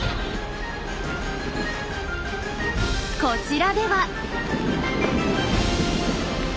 こちらでは。